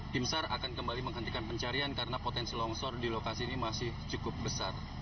tim sar akan kembali menghentikan pencarian karena potensi longsor di lokasi ini masih cukup besar